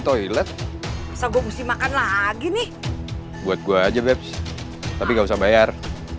toilet masa gua mesti makan lagi nih buat gua aja bebs tapi gak usah bayar